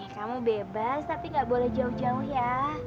kamu bebas tapi gak boleh jauh jauh ya